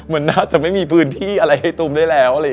มันน่าจะไม่มีพื้นที่อะไรให้ตุ้มได้แล้ว